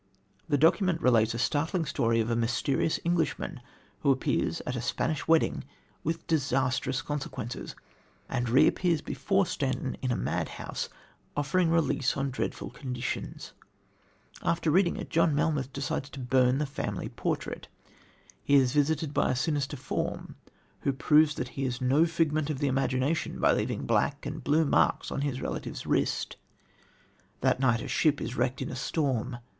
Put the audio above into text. The document relates a startling story of a mysterious Englishman who appears at a Spanish wedding with disastrous consequences, and reappears before Stanton in a madhouse offering release on dreadful conditions. After reading it, John Melmoth decides to burn the family portrait. He is visited by a sinister form, who proves that he is no figment of the imagination by leaving black and blue marks on his relative's wrist. The next night a ship is wrecked in a storm.